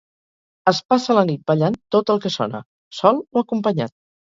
Es passa la nit ballant tot el que sona, sol o acompanyat.